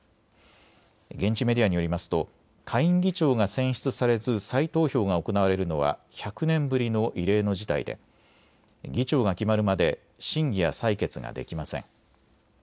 現地メディアによりますと下院議長が選出されず再投票が行われるのは１００年ぶりの異例の事態で議長が決まるまで審議や採決ができません。